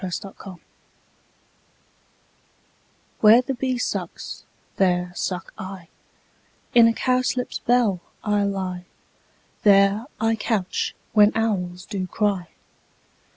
Fairy Land iv WHERE the bee sucks, there suck I: In a cowslip's bell I lie; There I couch when owls do cry.